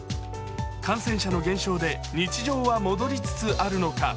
感染者の減少で日常は戻りつつあるのか。